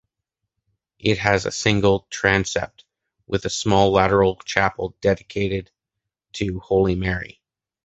It has a single transept, with a small lateral chapel dedicated to Holy Mary.